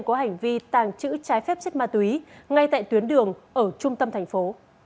có hành vi tàng trữ trái phép chất ma túy ngay tại tuyến đường ở trung tâm thành phố